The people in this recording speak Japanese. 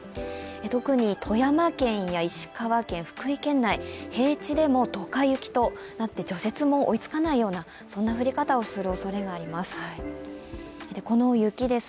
特に富山県や石川県、福井県内、平地でもドカ雪となって除雪も追いつかないようなそんな降り方をするおそれがあります。